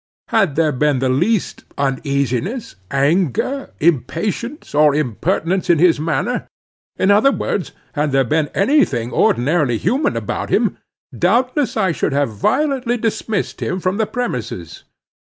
Had there been the least uneasiness, anger, impatience or impertinence in his manner; in other words, had there been any thing ordinarily human about him, doubtless I should have violently dismissed him from the premises.